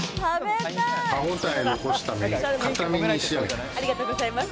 歯ごたえを残すために硬めに仕上げてます。